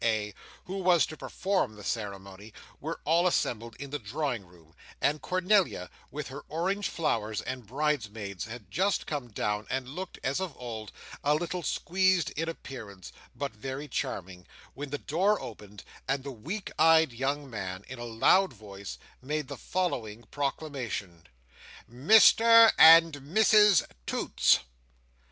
A., who was to perform the ceremony, were all assembled in the drawing room, and Cornelia with her orange flowers and bridesmaids had just come down, and looked, as of old, a little squeezed in appearance, but very charming, when the door opened, and the weak eyed young man, in a loud voice, made the following proclamation: "MR AND MRS TOOTS!"